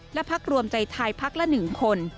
และภักดิ์รวมใจไทยภักดิ์ละ๑คน